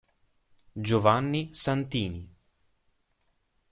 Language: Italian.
Giovanni Santini